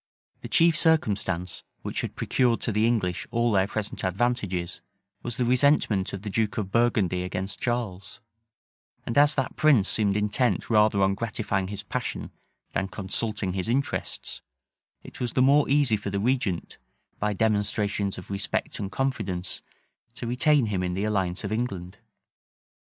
The chief circumstance which had procured to the English all their present advantages, was the resentment of the duke of Burgundy against Charles; and as that prince seemed intent rather on gratifying his passion than consulting his interests, it was the more easy for the regent, by demonstrations of respect and confidence, to retain him in the alliance of England.